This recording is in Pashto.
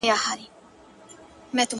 o څنگه به هغه له ياده وباسم.